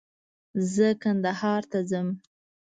زه کندهار ته ځم